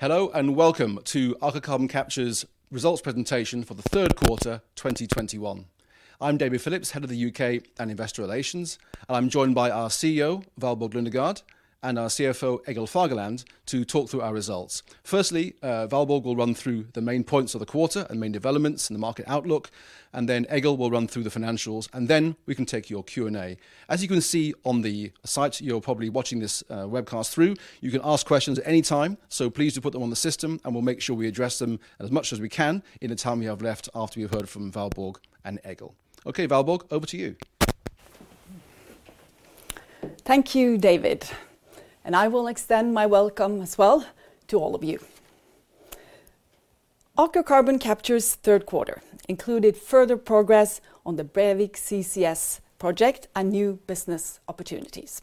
Hello, and welcome to Aker Carbon Capture's results presentation for the third quarter 2021. I'm David Phillips, Head of the U.K. and Investor Relations, and I'm joined by our CEO, Valborg Lundegaard, and our CFO, Egil Fagerland, to talk through our results. Firstly, Valborg will run through the main points of the quarter and main developments in the market outlook, and then Egil will run through the financials, and then we can take your Q&A. As you can see on the site you're probably watching this webcast through, you can ask questions at any time. Please do put them on the system, and we'll make sure we address them as much as we can in the time we have left after you've heard from Valborg and Egil. Valborg, over to you. Thank you, David, and I will extend my welcome as well to all of you. Aker Carbon Capture's third quarter included further progress on the Brevik CCS project and new business opportunities.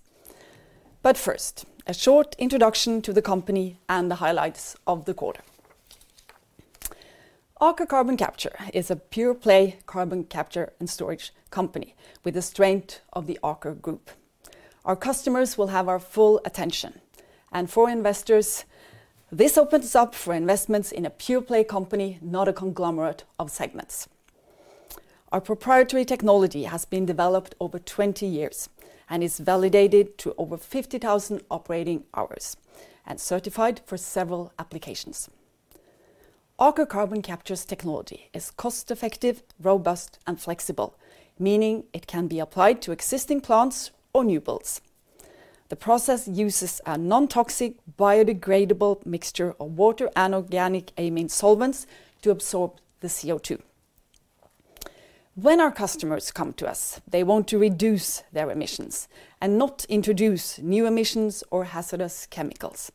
First, a short introduction to the company and the highlights of the quarter. Aker Carbon Capture is a pure-play carbon capture and storage company with the strength of the Aker group. For investors, this opens up for investments in a pure-play company, not a conglomerate of segments. Our proprietary technology has been developed over 20 years and is validated to over 50,000 operating hours and certified for several applications. Aker Carbon Capture's technology is cost-effective, robust, and flexible, meaning it can be applied to existing plants or new builds. The process uses a non-toxic, biodegradable mixture of water and organic amine solvents to absorb the CO2. When our customers come to us, they want to reduce their emissions and not introduce new emissions or hazardous chemicals.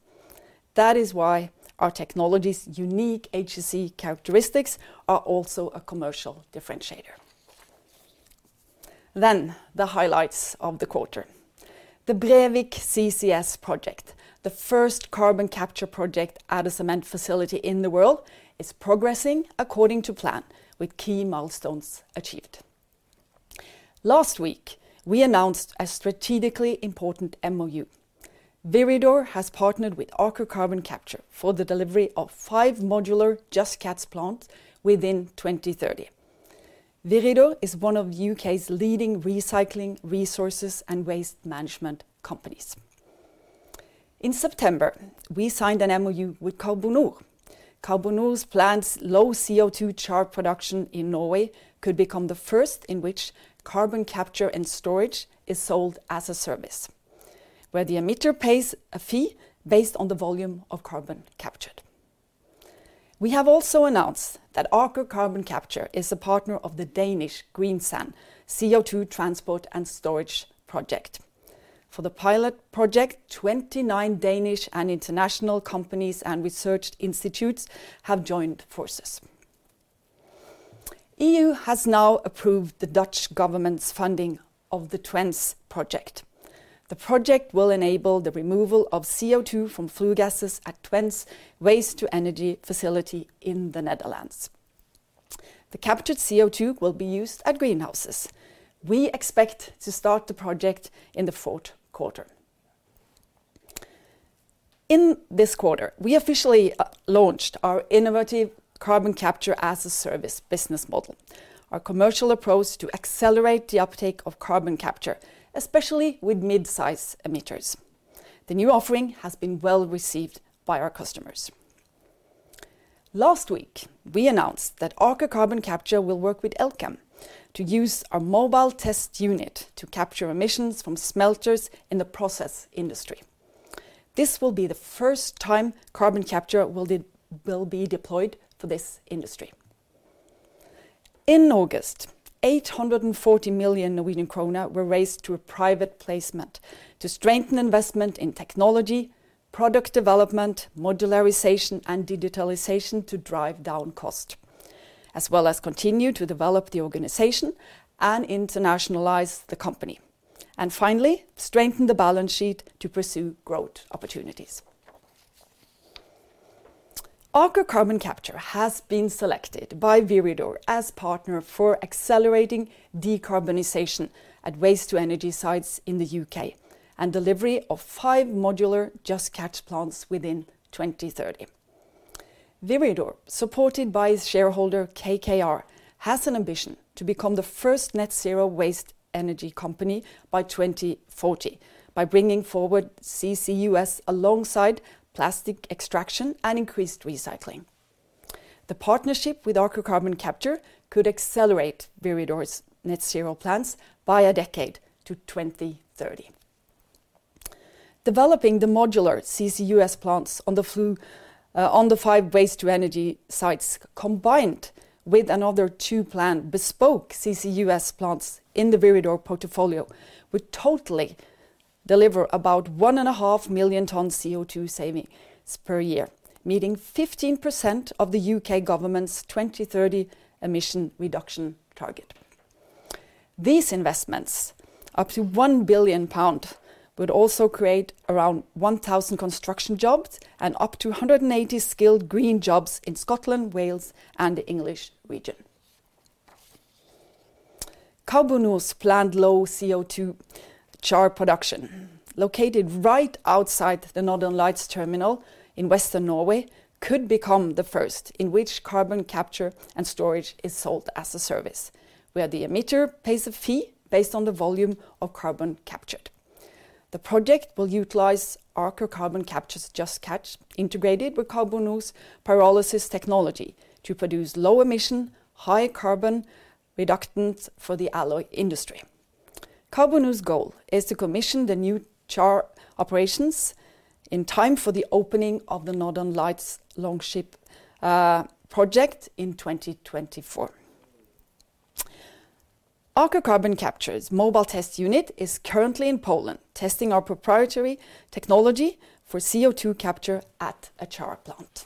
That is why our technology's unique HSE characteristics are also a commercial differentiator. The highlights of the quarter. The Brevik CCS project, the first carbon capture project at a cement facility in the world, is progressing according to plan with key milestones achieved. Last week, we announced a strategically important MoU. Viridor has partnered with Aker Carbon Capture for the delivery of five modular Just Catch plants within 2030. Viridor is one of U.K.'s leading recycling resources and waste management companies. In September, we signed an MoU with Carbonor. Carbonor's plant low CO2 char production in Norway could become the first in which carbon capture and storage is sold as a Carbon Capture as a Service, where the emitter pays a fee based on the volume of carbon captured. We have also announced that Aker Carbon Capture is a partner of the Danish Greensand CO2 Transport and Storage project. For the pilot project, 29 Danish and international companies and research institutes have joined forces. EU has now approved the Dutch government's funding of the Twence's project. The project will enable the removal of CO2 from flue gases at Twence's waste to energy facility in the Netherlands. The captured CO2 will be used at greenhouses. We expect to start the project in the fourth quarter. In this quarter, we officially launched our innovative Carbon Capture as a Service business model, our commercial approach to accelerate the uptake of carbon capture, especially with mid-size emitters. The new offering has been well received by our customers. Last week, we announced that Aker Carbon Capture will work with Elkem to use our Mobile Test Unit to capture emissions from smelters in the process industry. This will be the first time carbon capture will be deployed for this industry. In August, 840 million Norwegian krone were raised through a private placement to strengthen investment in technology, product development, modularization, and digitalization to drive down cost, as well as continue to develop the organization and internationalize the company. Finally, strengthen the balance sheet to pursue growth opportunities. Aker Carbon Capture has been selected by Viridor as partner for accelerating decarbonization at waste-to-energy sites in the U.K. and delivery of 5 modular Just Catch plants within 2030. Viridor, supported by shareholder KKR, has an ambition to become the first net zero waste energy company by 2040 by bringing forward CCUS alongside plastic extraction and increased recycling. The partnership with Aker Carbon Capture could accelerate Viridor's net zero plans by a decade to 2030. Developing the modular CCUS plants on the five waste-to-energy sites, combined with another two planned bespoke CCUS plants in the Viridor portfolio, would totally deliver about 1.5 million tons CO2 savings per year, meeting 15% of the U.K. government's 2030 emission reduction target. These investments, up to 1 billion pound, would also create around 1,000 construction jobs and up to 180 skilled green jobs in Scotland, Wales, and the English region. Carbonor's planned low CO2 char production, located right outside the Northern Lights Terminal in Western Norway, could become the first in which carbon capture and storage is sold as a service, where the emitter pays a fee based on the volume of carbon captured. The project will utilize Aker Carbon Capture's Just Catch, integrated with Carbonor pyrolysis technology, to produce low-emission, high carbon reductants for the alloy industry. Carbonor's goal is to commission the new char operations in time for the opening of the Northern Lights Longship project in 2024. Aker Carbon Capture's Mobile Test Unit is currently in Poland, testing our proprietary technology for CO2 capture at a char plant.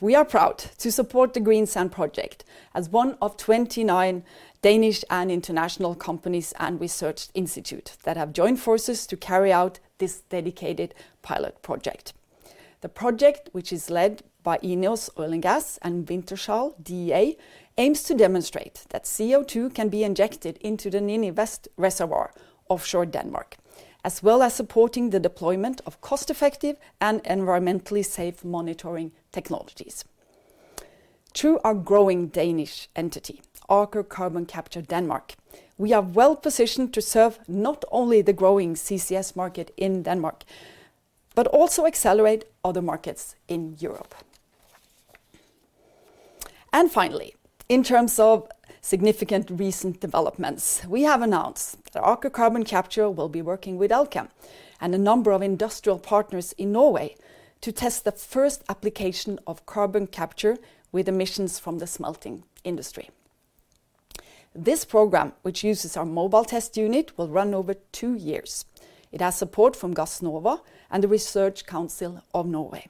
We are proud to support the Project Greensand as one of 29 Danish and international companies and research institutes that have joined forces to carry out this dedicated pilot project. The project, which is led by INEOS Oil & Gas and Wintershall Dea, aims to demonstrate that CO2 can be injected into the Nini West reservoir, offshore Denmark, as well as supporting the deployment of cost-effective and environmentally safe monitoring technologies. Through our growing Danish entity, Aker Carbon Capture Denmark, we are well-positioned to serve not only the growing CCS market in Denmark, but also accelerate other markets in Europe. Finally, in terms of significant recent developments, we have announced that Aker Carbon Capture will be working with Elkem and a number of industrial partners in Norway to test the first application of carbon capture with emissions from the smelting industry. This program, which uses our Mobile Test Unit, will run over two years. It has support from Gassnova and The Research Council of Norway.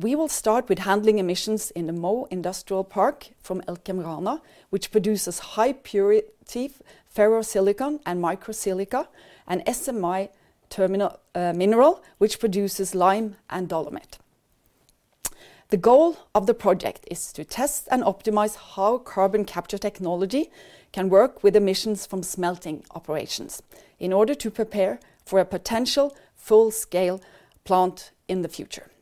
We will start with handling emissions in the Mo Industrial Park from Elkem Rana, which produces high-purity ferrosilicon and micro silica, and SMA Mineral, which produces lime and dolomite. The goal of the project is to test and optimize how carbon capture technology can work with emissions from smelting operations in order to prepare for a potential full-scale plant in the future.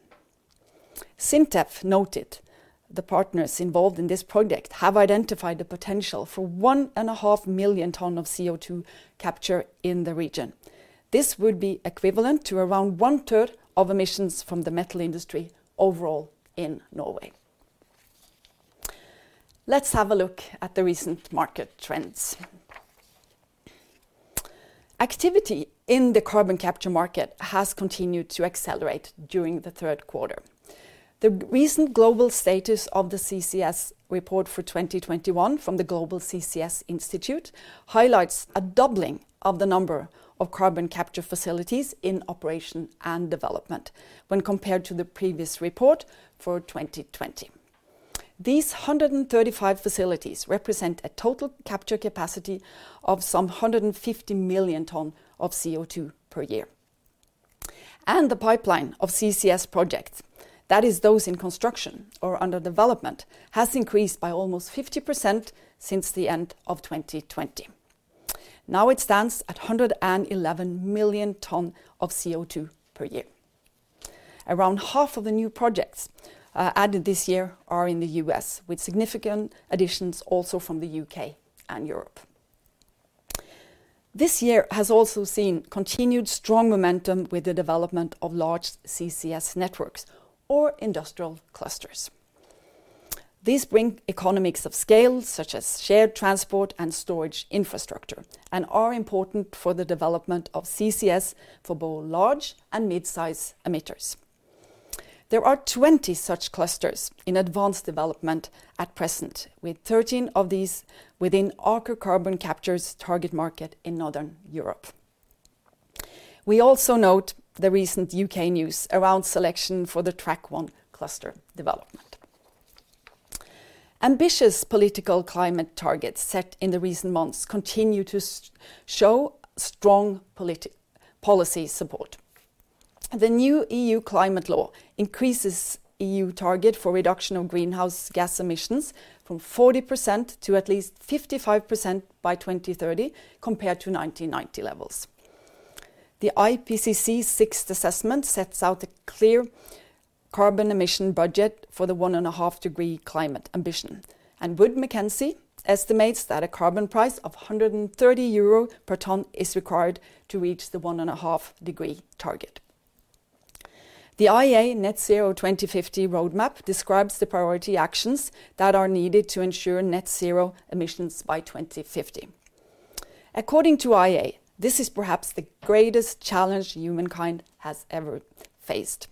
SINTEF noted the partners involved in this project have identified the potential for 1.5 million ton of CO2 capture in the region. This would be equivalent to around one third of emissions from the metal industry overall in Norway. Let's have a look at the recent market trends. Activity in the carbon capture market has continued to accelerate during the third quarter. The recent global status of the CCS report for 2021 from the Global CCS Institute highlights a doubling of the number of carbon capture facilities in operation and development when compared to the previous report for 2020. These 135 facilities represent a total capture capacity of some 150 million ton of CO2 per year. The pipeline of CCS projects, that is, those in construction or under development, has increased by almost 50% since the end of 2020. Now it stands at 111 million tons of CO2 per year. Around half of the new projects added this year are in the U.S., with significant additions also from the U.K. and Europe. This year has also seen continued strong momentum with the development of large CCS networks or industrial clusters. These bring economies of scale, such as shared transport and storage infrastructure, and are important for the development of CCS for both large and mid-size emitters. There are 20 such clusters in advanced development at present, with 13 of these within Aker Carbon Capture's target market in Northern Europe. We also note the recent U.K. news around selection for the Track 1 cluster development. Ambitious political climate targets set in the recent months continue to show strong policy support. The new European Climate Law increases EU target for reduction of greenhouse gas emissions from 40% to at least 55% by 2030 compared to 1990 levels. The IPCC sixth assessment sets out a clear carbon emission budget for the 1.5-degree climate ambition, and Wood Mackenzie estimates that a carbon price of 130 euro per ton is required to reach the 1.5-degree target. The IEA Net Zero 2050 roadmap describes the priority actions that are needed to ensure net zero emissions by 2050. According to IEA, this is perhaps the greatest challenge humankind has ever faced.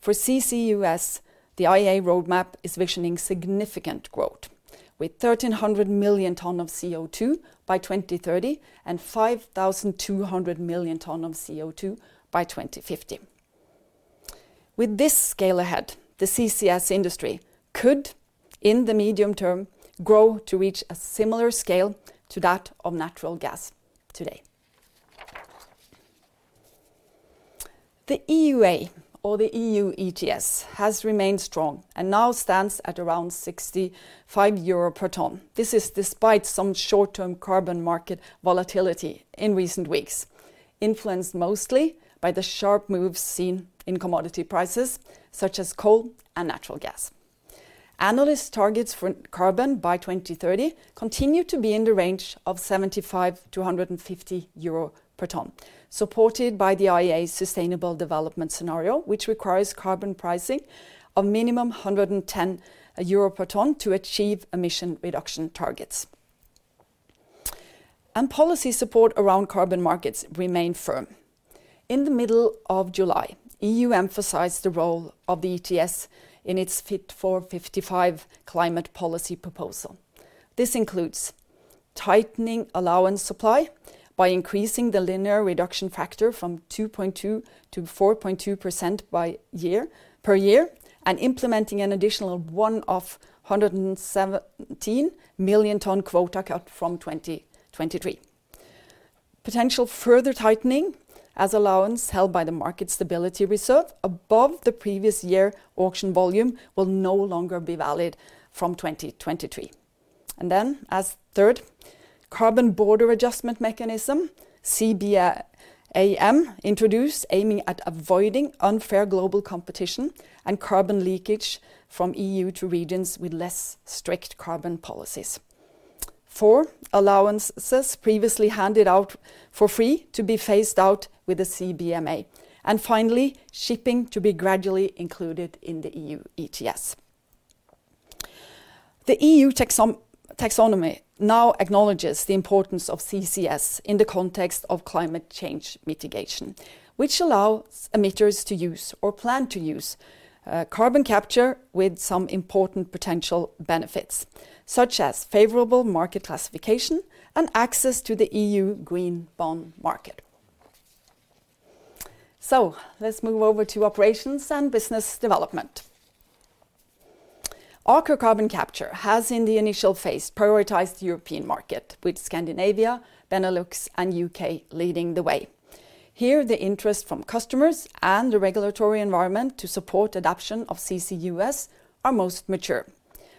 For CCUS, the IEA roadmap is visioning significant growth, with 1,300 million tons of CO2 by 2030 and 5,200 million tons of CO2 by 2050. With this scale ahead, the CCS industry could, in the medium term, grow to reach a similar scale to that of natural gas today. The EUA or the EU ETS has remained strong and now stands at around 65 euro per ton. This is despite some short-term carbon market volatility in recent weeks, influenced mostly by the sharp moves seen in commodity prices such as coal and natural gas. Analyst targets for carbon by 2030 continue to be in the range of 75-150 euro per ton, supported by the IEA's sustainable development scenario, which requires carbon pricing of minimum 110 euro per ton to achieve emission reduction targets. Policy support around carbon markets remain firm. In the middle of July, EU emphasized the role of the ETS in its Fit for 55 climate policy proposal. This includes tightening allowance supply by increasing the Linear Reduction Factor from 2.2% to 4.2% per year, and implementing an additional one of 117 million ton quota cut from 2023. Potential further tightening as allowance held by the Market Stability Reserve above the previous year auction volume will no longer be valid from 2023. As third, Carbon Border Adjustment Mechanism, CBAM, introduced aiming at avoiding unfair global competition and carbon leakage from EU to regions with less strict carbon policies. Four, allowances previously handed out for free to be phased out with the CBAM. Finally, shipping to be gradually included in the EU ETS. The EU taxonomy now acknowledges the importance of CCS in the context of climate change mitigation, which allows emitters to use or plan to use carbon capture with some important potential benefits, such as favorable market classification and access to the EU green bond market. Let's move over to operations and business development. Aker Carbon Capture has in the initial phase prioritized the European market with Scandinavia, Benelux, and U.K. leading the way. Here, the interest from customers and the regulatory environment to support adoption of CCUS are most mature.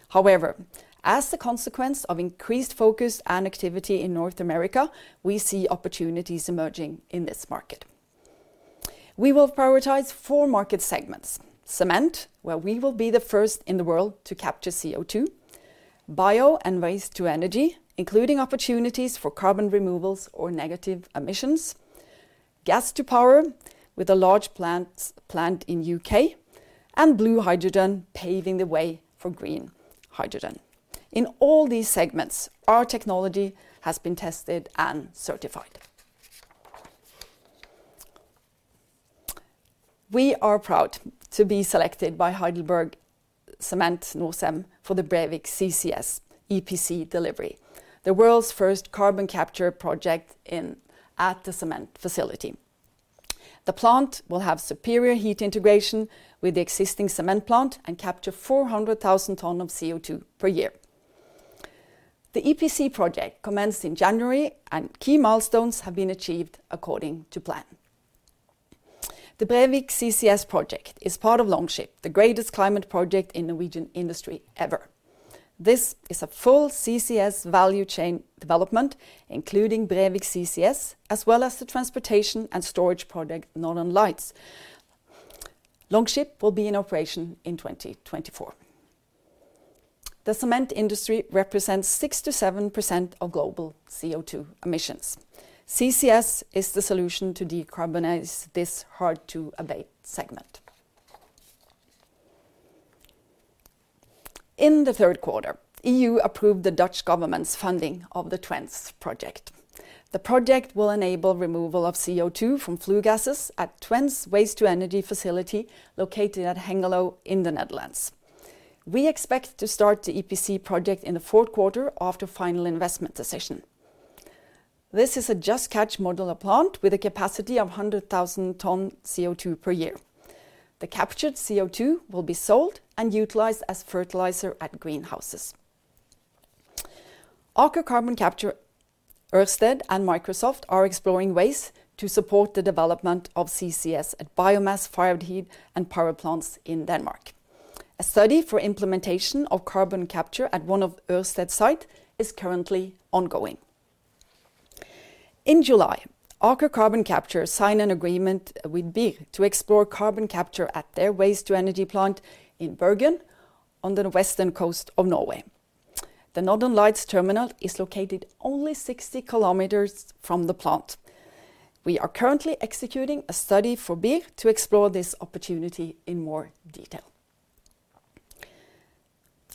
However, as the consequence of increased focus and activity in North America, we see opportunities emerging in this market. We will prioritize four market segments, cement, where we will be the first in the world to capture CO2, bio and waste to energy, including opportunities for carbon removals or negative emissions, gas to power with a large plant in U.K., and blue hydrogen paving the way for green hydrogen. In all these segments, our technology has been tested and certified. We are proud to be selected by HeidelbergCement Norcem for the Brevik CCS EPC delivery, the world's first carbon capture project at the cement facility. The plant will have superior heat integration with the existing cement plant and capture 400,000 tons of CO2 per year. The EPC project commenced in January, and key milestones have been achieved according to plan. The Brevik CCS project is part of Longship, the greatest climate project in Norwegian industry ever. This is a full CCS value chain development, including Brevik CCS, as well as the transportation and storage project, Northern Lights. Longship will be in operation in 2024. The cement industry represents 67% of global CO2 emissions. CCS is the solution to decarbonize this hard-to-abate segment. In the third quarter, EU approved the Dutch government's funding of the Twence project. The project will enable removal of CO2 from flue gases at Twence's waste-to-energy facility located at Hengelo in the Netherlands. We expect to start the EPC project in the fourth quarter after final investment decision. This is a Just Catch modular plant with a capacity of 100,000 tons CO2 per year. The captured CO2 will be sold and utilized as fertilizer at greenhouses. Aker Carbon Capture, Ørsted, and Microsoft are exploring ways to support the development of CCS at biomass-fired heat and power plants in Denmark. A study for implementation of carbon capture at one of Ørsted's site is currently ongoing. In July, Aker Carbon Capture signed an agreement with BIR to explore carbon capture at their waste-to-energy plant in Bergen on the western coast of Norway. The Northern Lights terminal is located only 60 km from the plant. We are currently executing a study for BIR to explore this opportunity in more detail.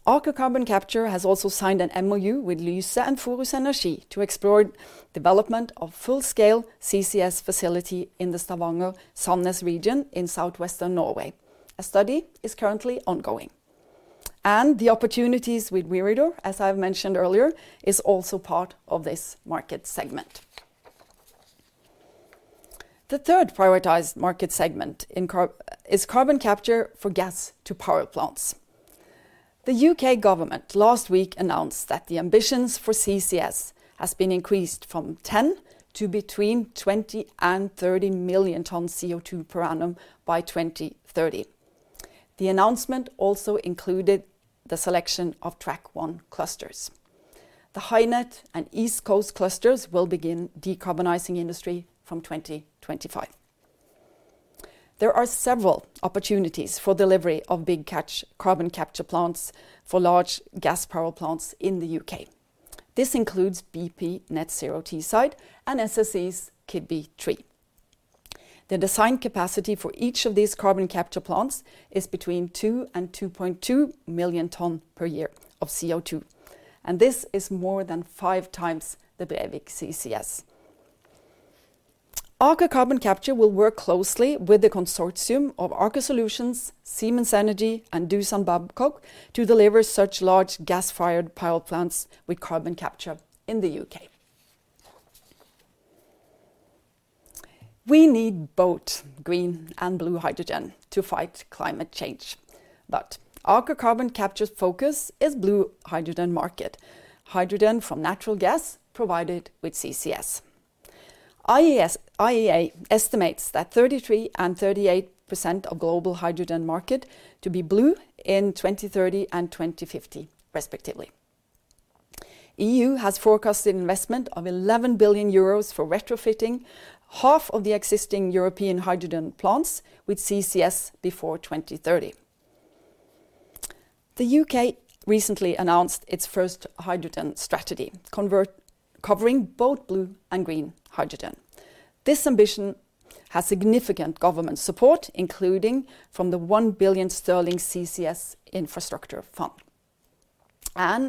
Aker Carbon Capture has also signed an MoU with Lyse and Forus Energi to explore development of full-scale CCS facility in the Stavanger-Sandnes region in southwestern Norway. A study is currently ongoing. The opportunities with Viridor, as I've mentioned earlier, is also part of this market segment. The third prioritized market segment is carbon capture for gas-to-power plants. The U.K. government last week announced that the ambitions for CCS has been increased from 10 to between 20 and 30 million tons CO2 per annum by 2030. The announcement also included the selection of track 1 clusters. The HyNet and East Coast Cluster will begin decarbonizing industry from 2025. There are several opportunities for delivery of big carbon capture plants for large gas power plants in the U.K. This includes BP Net Zero Teesside and SSE's Keadby 3. The design capacity for each of these carbon capture plants is between 2 and 2.2 million ton per year of CO2, and this is more than 5x the Brevik CCS. Aker Carbon Capture will work closely with the consortium of Aker Solutions, Siemens Energy, and Doosan Babcock to deliver such large gas-fired power plants with carbon capture in the U.K. We need both green and blue hydrogen to fight climate change. Aker Carbon Capture's focus is blue hydrogen market, hydrogen from natural gas provided with CCS. IEA estimates that 33% and 38% of global hydrogen market to be blue in 2030 and 2050 respectively. EU has forecasted investment of 11 billion euros for retrofitting half of the existing European hydrogen plants with CCS before 2030. The U.K. recently announced its first hydrogen strategy, covering both blue and green hydrogen. This ambition has significant government support, including from the 1 billion sterling CCS infrastructure fund.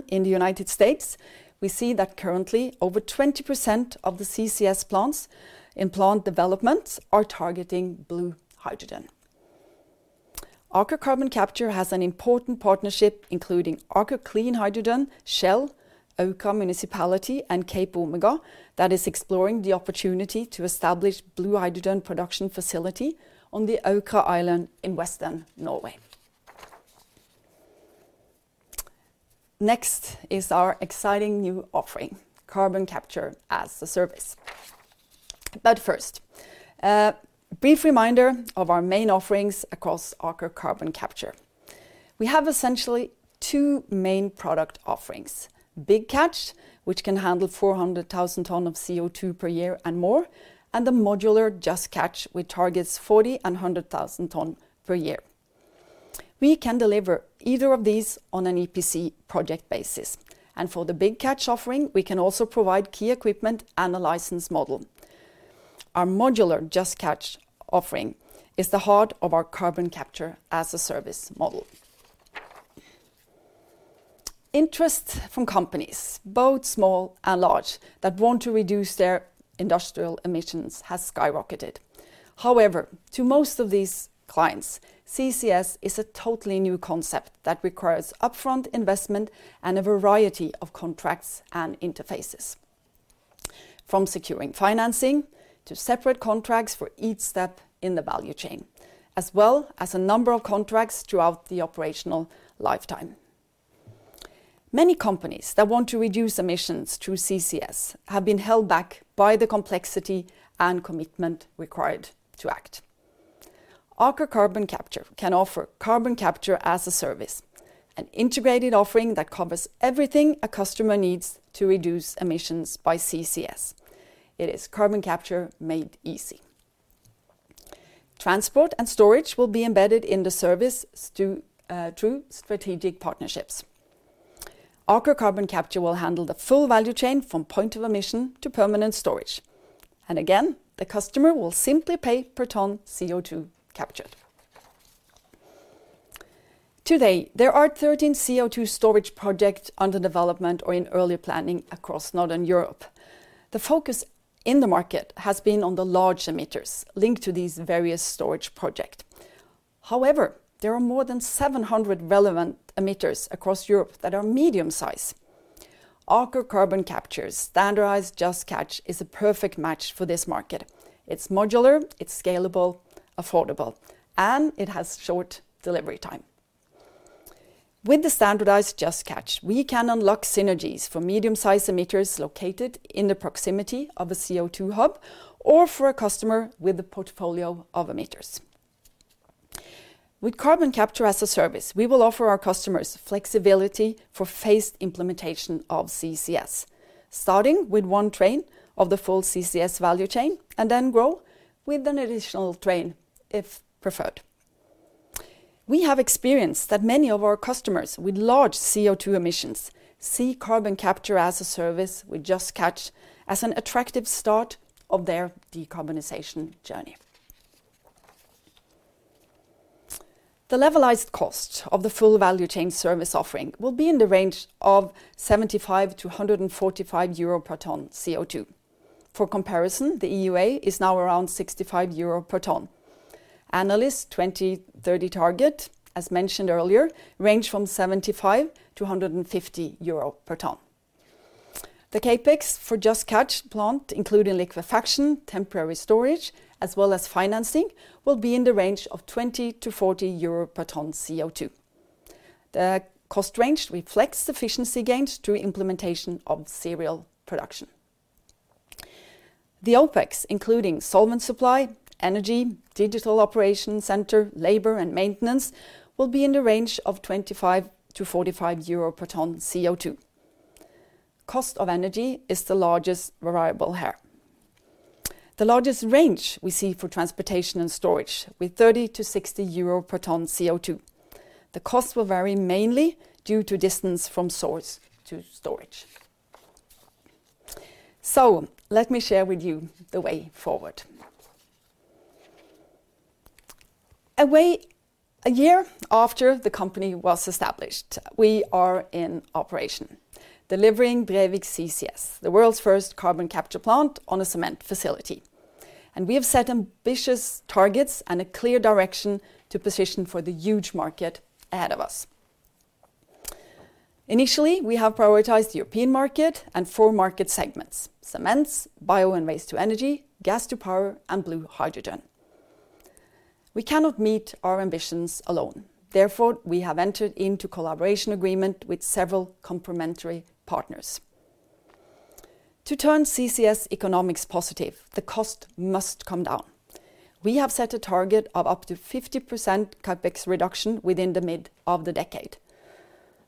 In the United States, we see that currently over 20% of the CCS plants in plant developments are targeting blue hydrogen. Aker Carbon Capture has an important partnership, including Aker Clean Hydrogen, Shell, Aukra Municipality, and CapeOmega, that is exploring the opportunity to establish blue hydrogen production facility on the Aukra island in western Norway. Next is our exciting new offering, Carbon Capture as a Service. First, a brief reminder of our main offerings across Aker Carbon Capture. We have essentially two main product offerings, Big Catch, which can handle 400,000 tons of CO2 per year and more, and the modular Just Catch, which targets 40,000 and 100,000 tons per year. We can deliver either of these on an EPC project basis, and for the Big Catch offering, we can also provide key equipment and a license model. Our modular Just Catch offering is the heart of our Carbon Capture as a Service model. Interest from companies, both small and large, that want to reduce their industrial emissions has skyrocketed. However, to most of these clients, CCS is a totally new concept that requires upfront investment and a variety of contracts and interfaces, from securing financing to separate contracts for each step in the value chain, as well as a number of contracts throughout the operational lifetime. Many companies that want to reduce emissions through CCS have been held back by the complexity and commitment required to act. Aker Carbon Capture can offer Carbon Capture as a Service, an integrated offering that covers everything a customer needs to reduce emissions by CCS. It is carbon capture made easy. Transport and storage will be embedded in the service through strategic partnerships. Aker Carbon Capture will handle the full value chain from point of emission to permanent storage. Again, the customer will simply pay per ton CO2 captured. Today, there are 13 CO2 storage projects under development or in early planning across Northern Europe. The focus in the market has been on the large emitters linked to these various storage project. There are more than 700 relevant emitters across Europe that are medium-sized. Aker Carbon Capture's standardized Just Catch is a perfect match for this market. It's modular, it's scalable, affordable, and it has short delivery time. With the standardized Just Catch, we can unlock synergies for medium-sized emitters located in the proximity of a CO2 hub, or for a customer with a portfolio of emitters. With Carbon Capture as a Service, we will offer our customers flexibility for phased implementation of CCS, starting with one train of the full CCS value chain, and then grow with an additional train if preferred. We have experienced that many of our customers with large CO2 emissions see Carbon Capture as a Service with Just Catch as an attractive start of their decarbonization journey. The levelized cost of the full value chain service offering will be in the range of 75-145 euro per ton of CO2. For comparison, the EUA is now around 65 euro per ton. Analysts' 2030 target, as mentioned earlier, range from 75-150 euro per ton. The CapEx for Just Catch plant, including liquefaction, temporary storage, as well as financing, will be in the range of 20-40 euro per ton of CO2. The cost range reflects efficiency gains through implementation of serial production. The OpEx, including solvent supply, energy, digital operation center, labor, and maintenance, will be in the range of 25-45 euro per ton of CO2. Cost of energy is the largest variable here. The largest range we see for transportation and storage, with 30-60 euro per ton of CO2. The costs will vary mainly due to distance from source to storage. Let me share with you the way forward. A year after the company was established, we are in operation, delivering Brevik CCS, the world's first carbon capture plant on a cement facility. We have set ambitious targets and a clear direction to position for the huge market ahead of us. Initially, we have prioritized the European market and four market segments, cements, bio and waste-to-energy, gas-to-power, and blue hydrogen. We cannot meet our ambitions alone. Therefore, we have entered into collaboration agreement with several complementary partners. To turn CCS economics positive, the cost must come down. We have set a target of up to 50% CapEx reduction within the mid of the decade.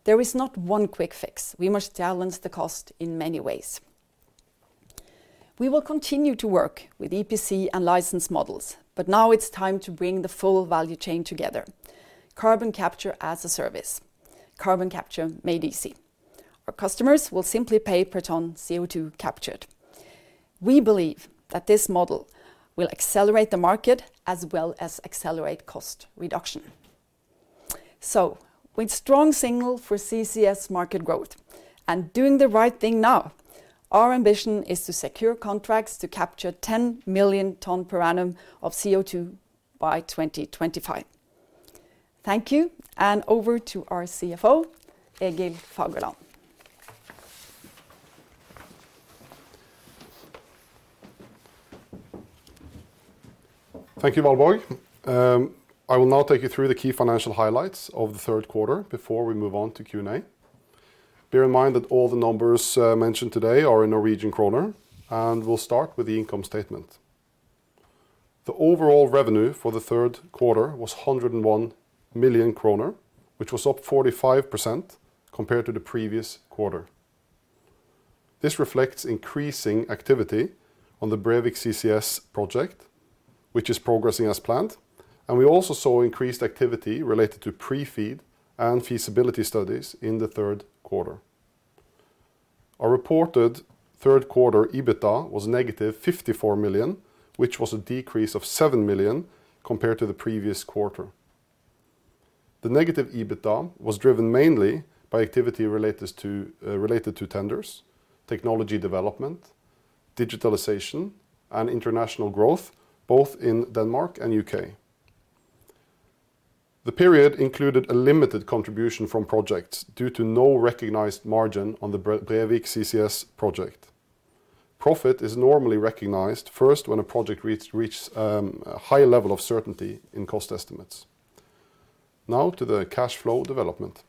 There is not one quick fix. We must challenge the cost in many ways. We will continue to work with EPC and license models, but now it's time to bring the full value chain together. Carbon Capture as a Service. Carbon capture made easy. Our customers will simply pay per ton of CO2 captured. We believe that this model will accelerate the market as well as accelerate cost reduction. With strong signal for CCS market growth and doing the right thing now, our ambition is to secure contracts to capture 10 million tons per annum of CO2 by 2025. Thank you, and over to our CFO, Egil Fagerland. Thank you, Valborg. I will now take you through the key financial highlights of the third quarter before we move on to Q&A. Bear in mind that all the numbers mentioned today are in Norwegian kroner. We'll start with the income statement. The overall revenue for the third quarter was 101 million kroner, which was up 45% compared to the previous quarter. This reflects increasing activity on the Brevik CCS project, which is progressing as planned, and we also saw increased activity related to pre-FEED and feasibility studies in the third quarter. Our reported third quarter EBITDA was negative 54 million, which was a decrease of 7 million compared to the previous quarter. The negative EBITDA was driven mainly by activity related to tenders, technology development, digitalization, and international growth, both in Denmark and U.K. The period included a limited contribution from projects due to no recognized margin on the Brevik CCS project. Profit is normally recognized first when a project reaches a high level of certainty in cost estimates. Now to the cash flow development.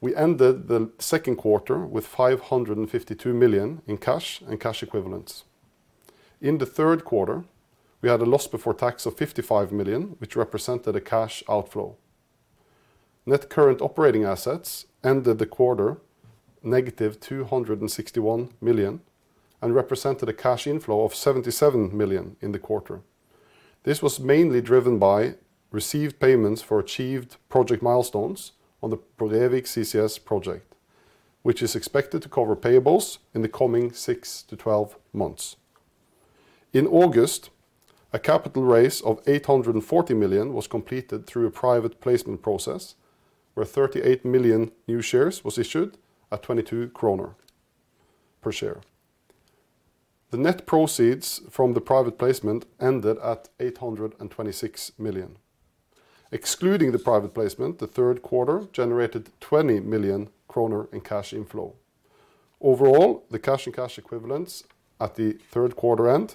We ended the second quarter with 552 million in cash and cash equivalents. In the third quarter, we had a loss before tax of 55 million, which represented a cash outflow. Net current operating assets ended the quarter negative 261 million and represented a cash inflow of 77 million in the quarter. This was mainly driven by received payments for achieved project milestones on the Brevik CCS project, which is expected to cover payables in the coming 6-12 months. In August, a capital raise of 840 million was completed through a private placement process, where 38 million new shares was issued at 22 kroner per share. The net proceeds from the private placement ended at 826 million. Excluding the private placement, the third quarter generated 20 million kroner in cash inflow. Overall, the cash and cash equivalents at the third quarter end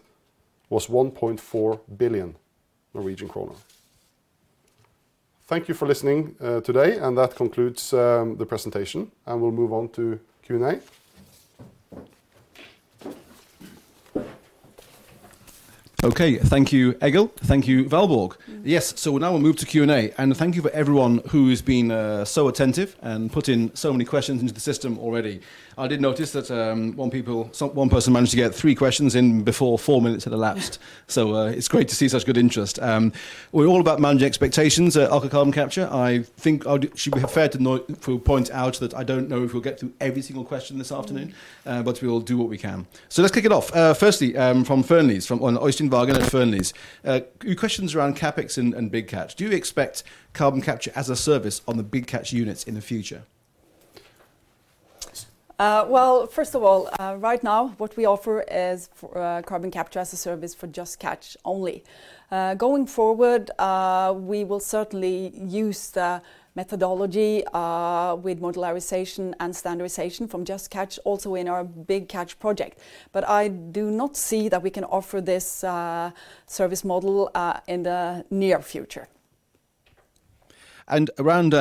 was 1.4 billion Norwegian kroner. Thank you for listening today. That concludes the presentation. We'll move on to Q&A. Okay. Thank you, Egil. Thank you, Valborg. Now we'll move to Q&A, and thank you for everyone who's been so attentive and put in so many questions into the system already. I did notice that one person managed to get three questions in before four minutes had elapsed. It's great to see such good interest. We're all about managing expectations at Aker Carbon Capture. I think it should be fair to point out that I don't know if we'll get through every single question this afternoon but we will do what we can. Let's kick it off. Firstly, from Fearnleys, from Øystein Vågen at Fearnleys. Questions around CapEx and Big Catch. Do you expect Carbon Capture as a Service on the Big Catch units in the future? Well, first of all, right now what we offer is Carbon Capture as a Service for Just Catch only. Going forward, we will certainly use the methodology, with modularization and standardization from Just Catch also in our Big Catch project. I do not see that we can offer this service model in the near future. Around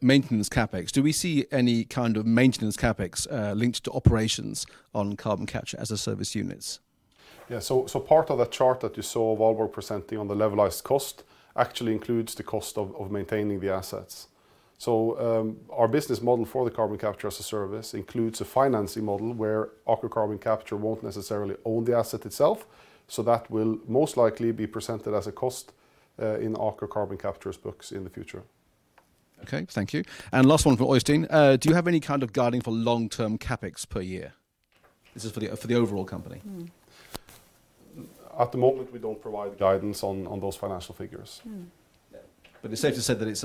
maintenance CapEx, do we see any kind of maintenance CapEx linked to operations on Carbon Capture as a Service units? Part of that chart that you saw while we're presenting on the levelized cost actually includes the cost of maintaining the assets. Our business model for the Carbon Capture as a Service includes a financing model where Aker Carbon Capture won't necessarily own the asset itself, so that will most likely be presented as a cost in Aker Carbon Capture's books in the future. Okay. Thank you. Last one for Øystein. Do you have any kind of guiding for long-term CapEx per year? This is for the overall company. At the moment, we don't provide guidance on those financial figures. It's safe to say that it's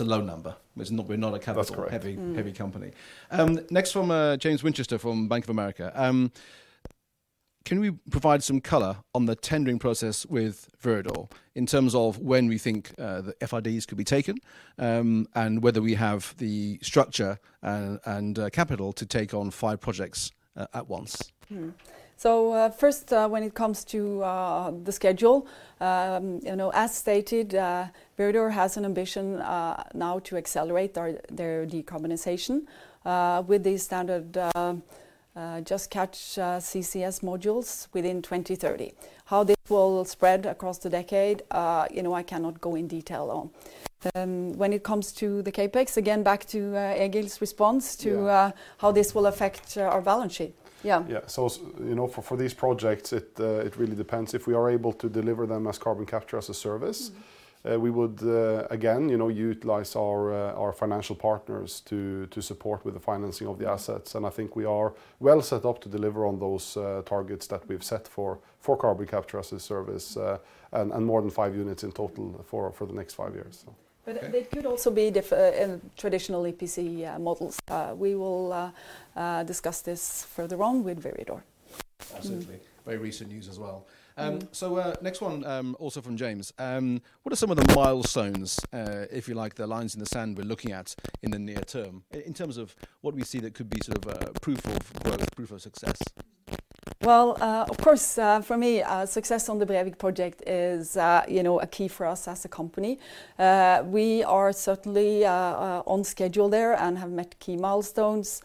a low number. We're not a capital- That's correct. heavy company. From James Winchester from Bank of America. Can we provide some color on the tendering process with Viridor in terms of when we think the FIDs could be taken, and whether we have the structure and capital to take on five projects at once? First, when it comes to the schedule, as stated, Viridor has an ambition now to accelerate their decarbonization, with these standard Just Catch CCS modules within 2030. How this will spread across the decade, I cannot go in detail on. When it comes to the CapEx, again, back to Egil's response to how this will affect our balance sheet. Yeah. Yeah, for these projects, it really depends if we are able to deliver them as Carbon Capture as a Service. We would, again, utilize our financial partners to support with the financing of the assets. I think we are well set up to deliver on those targets that we've set for Carbon Capture as a Service, and more than five units in total for the next five years. Okay. They could also be in traditional EPC models. We will discuss this further on with Viridor. Absolutely. Very recent news as well. Next one, also from James. What are some of the milestones, if you like, the lines in the sand we're looking at in the near term, in terms of what we see that could be sort of a proof of work, proof of success? Well, of course, for me, success on the Brevik project is a key for us as a company. We are certainly on schedule there and have met key milestones,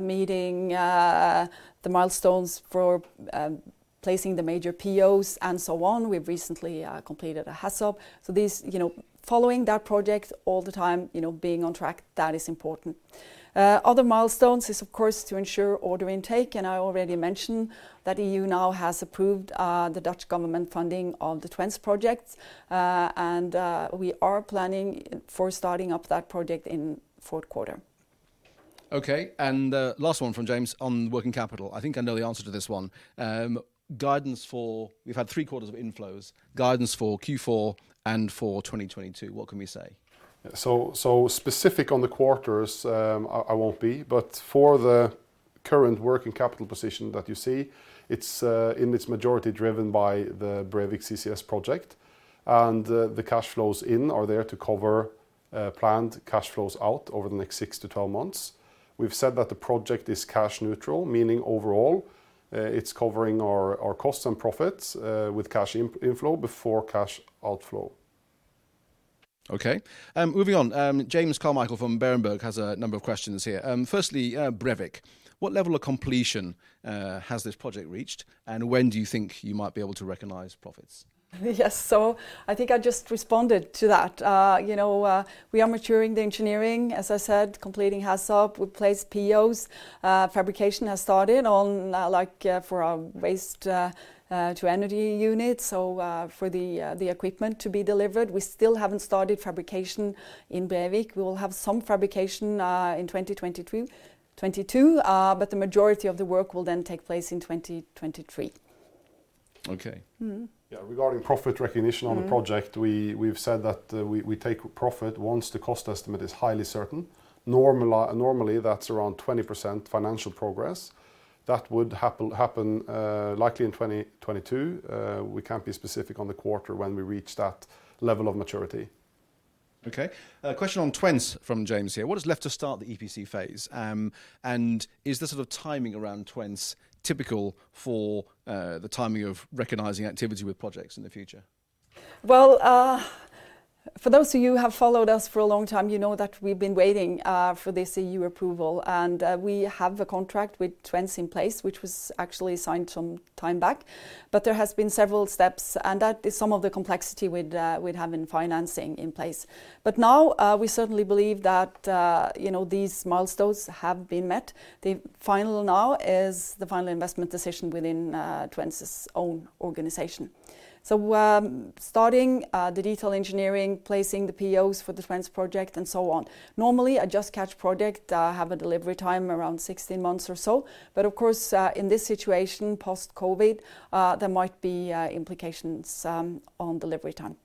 meeting the milestones for placing the major POs and so on. We've recently completed a HAZOP. These, following that project all the time, being on track, that is important. Other milestones is, of course, to ensure order intake, and I already mentioned that EU now has approved the Dutch government funding of the Twence project, and we are planning for starting up that project in fourth quarter. Okay. Last one from James on working capital. I think I know the answer to this one. Guidance for, we've had three quarters of inflows, guidance for Q4 and for 2022. What can we say? Specific on the quarters, I won't be, but for the current working capital position that you see, it's in its majority driven by the Brevik CCS project. The cash flows in are there to cover planned cash flows out over the next 6-12 months. We've said that the project is cash neutral, meaning overall, it's covering our costs and profits, with cash inflow before cash outflow. Okay. Moving on, James Carmichael from Berenberg has a number of questions here. Firstly, Brevik. What level of completion has this project reached, and when do you think you might be able to recognize profits? I think I just responded to that. We are maturing the engineering, as I said, completing HAZOP. We placed POs. Fabrication has started on for our waste to energy unit. For the equipment to be delivered. We still haven't started fabrication in Brevik. We will have some fabrication in 2022, the majority of the work will then take place in 2023. Okay. Regarding profit recognition on the project, we've said that we take profit once the cost estimate is highly certain. Normally, that's around 20% financial progress. That would happen likely in 2022. We can't be specific on the quarter when we reach that level of maturity. Okay. A question on Twence from James here. What is left to start the EPC phase? Is the sort of timing around Twence typical for the timing of recognizing activity with projects in the future? Well, for those of you who have followed us for a long time, you know that we've been waiting for this EU approval, and we have a contract with Twence in place, which was actually signed some time back. There has been several steps, and that is some of the complexity with having financing in place. Now, we certainly believe that these milestones have been met. The final now is the final investment decision within Twence's own organization. Starting the detail engineering, placing the POs for the Twence project and so on. Normally, a Just Catch project have a delivery time around 16 months or so, but of course, in this situation, post-COVID, there might be implications on delivery time.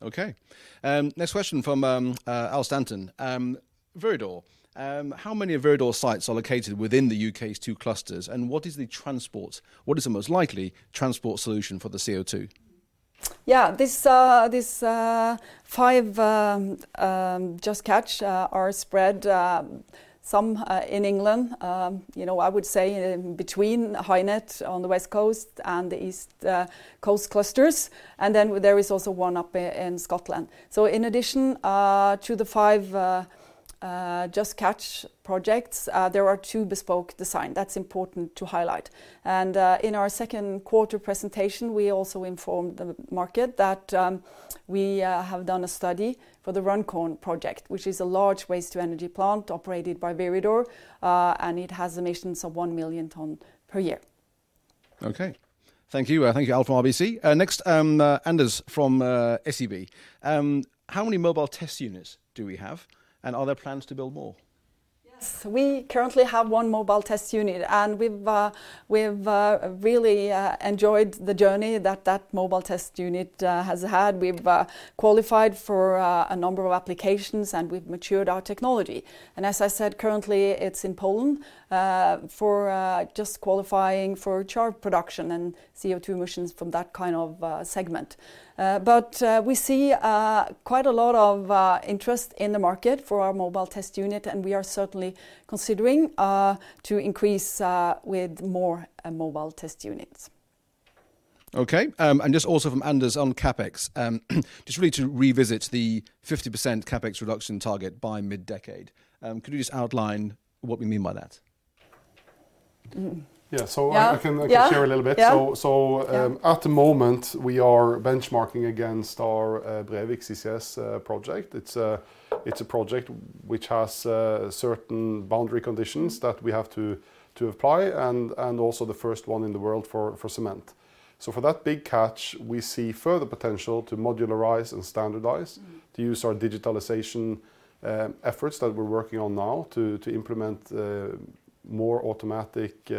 Okay. Next question from Al Stanton. Viridor. How many Viridor sites are located within the U.K.'s two clusters, and what is the most likely transport solution for the CO2? Yeah. These five Just Catch are spread, some in England, I would say between HyNet on the West Coast and the East Coast Cluster. There is also one up in Scotland. In addition to the five Just Catch projects, there are two bespoke design. That's important to highlight. In our second quarter presentation, we also informed the market that we have done a study for the Runcorn project, which is a large waste to energy plant operated by Viridor, and it has emissions of 1 million ton per year. Thank you. Thank you, Al, from RBC. Next, Anders from SEB. How many Mobile Test Units do we have, and are there plans to build more? Yes, we currently have one Mobile Test Unit, and we've really enjoyed the journey that that Mobile Test Unit has had. We've qualified for a number of applications, and we've matured our technology. As I said, currently it's in Poland for just qualifying for char production and CO2 emissions from that kind of segment. We see quite a lot of interest in the market for our Mobile Test Unit, and we are certainly considering to increase with more Mobile Test Units. Okay. Just also from Anders on CapEx, just really to revisit the 50% CapEx reduction target by mid-decade. Could you just outline what we mean by that? Yeah. Yeah. I can share a little bit- Yeah. At the moment, we are benchmarking against our Brevik CCS project. It's a project which has certain boundary conditions that we have to apply and also the first one in the world for cement. For that Big Catch, we see further potential to modularize and standardize, to use our digitalization efforts that we're working on now to implement more automatic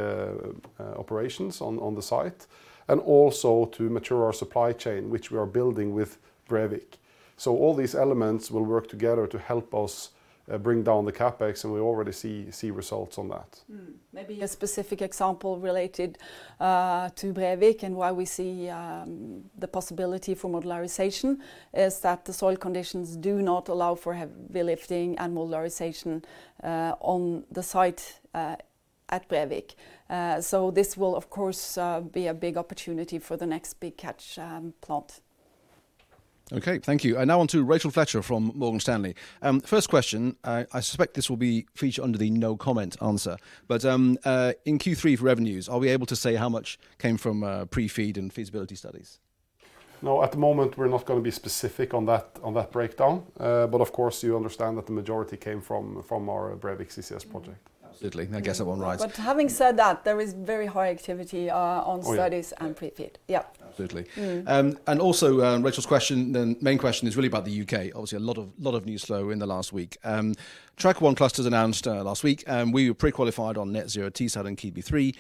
operations on the site. Also to mature our supply chain, which we are building with Brevik. All these elements will work together to help us bring down the CapEx, and we already see results on that. Maybe a specific example related to Brevik and why we see the possibility for modularization is that the soil conditions do not allow for heavy lifting and modularization on the site at Brevik. This will, of course, be a big opportunity for the next Big Catch plant. Okay, thank you. Now on to Rachel Fletcher from Morgan Stanley. First question, I suspect this will be featured under the no comment answer, but in Q3 for revenues, are we able to say how much came from pre-FEED and feasibility studies? At the moment, we're not going to be specific on that breakdown. Of course, you understand that the majority came from our Brevik CCS project. Absolutely. I guess that one right. Having said that, there is very high activity on studies and pre-FEED. Oh, yeah. Yeah. Absolutely. Rachel's main question is really about the U.K. Obviously, a lot of news flow in the last week. Track 1 clusters announced last week. We were pre-qualified on Net Zero Teesside and Keadby 3.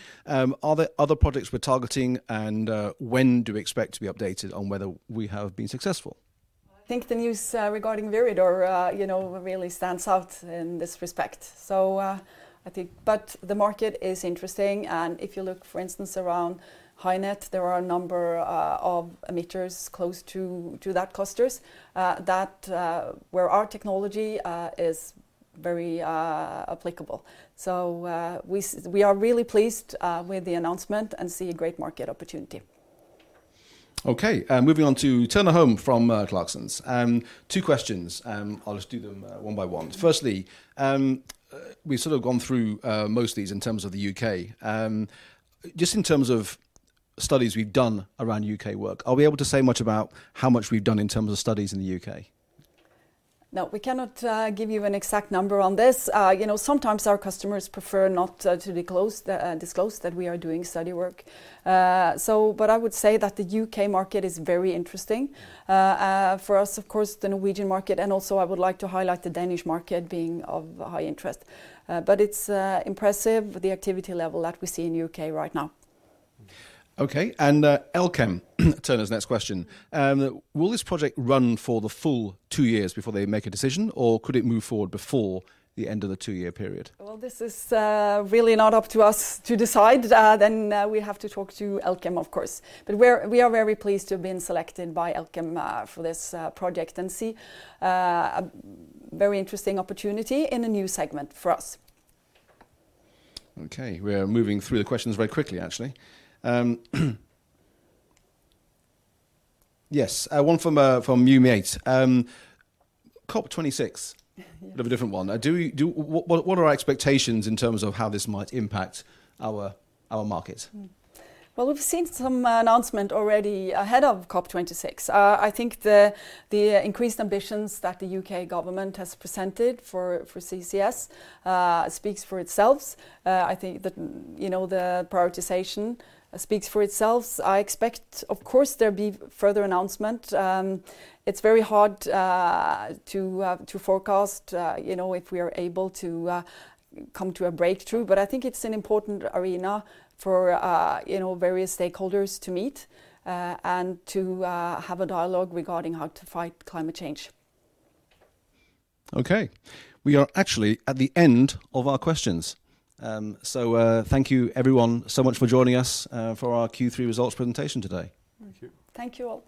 Are there other projects we're targeting, and when do we expect to be updated on whether we have been successful? I think the news regarding Viridor really stands out in this respect. The market is interesting, and if you look, for instance, around HyNet, there are a number of emitters close to that cluster where our technology is very applicable. We are really pleased with the announcement and see a great market opportunity. Okay. Moving on to Turner Holm from Clarksons. Two questions, I'll just do them one by one. Firstly, we've sort of gone through most of these in terms of the U.K. Just in terms of studies we've done around U.K. work, are we able to say much about how much we've done in terms of studies in the U.K.? No, we cannot give you an exact number on this. Sometimes our customers prefer not to disclose that we are doing study work. I would say that the U.K. market is very interesting. For us, of course, the Norwegian market, and also I would like to highlight the Danish market being of high interest. It's impressive, the activity level that we see in U.K. right now. Okay. Elkem, Turner's next question. Will this project run for the full two years before they make a decision, or could it move forward before the end of the two-year period? This is really not up to us to decide, then we have to talk to Elkem, of course. We are very pleased to have been selected by Elkem for this project and see a very interesting opportunity in a new segment for us. Okay. We're moving through the questions very quickly, actually. Yes. One from [New Eights]. COP26. Yeah. A bit of a different one. What are our expectations in terms of how this might impact our market? We've seen some announcement already ahead of COP26. I think the increased ambitions that the U.K. government has presented for CCS speaks for itself. I think the prioritization speaks for itself. I expect, of course, there'll be further announcement. It's very hard to forecast if we are able to come to a breakthrough. I think it's an important arena for various stakeholders to meet and to have a dialogue regarding how to fight climate change. Okay. We are actually at the end of our questions. Thank you everyone so much for joining us for our Q3 results presentation today. Thank you. Thank you all.